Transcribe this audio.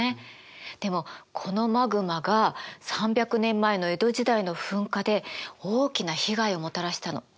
でもこのマグマが３００年前の江戸時代の噴火で大きな被害をもたらしたの。